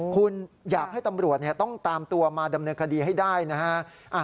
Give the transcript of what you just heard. คุณอยากให้ตำรวจต้องตามตัวมาดำเนินคดีให้ได้นะฮะ